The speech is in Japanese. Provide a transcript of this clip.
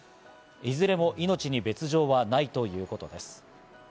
いずれも命に別条はないということです。